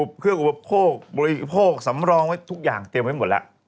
เครื่องอุปโภคบริโภคสำรองไว้ทุกอย่างเตรียมไว้หมดแล้ว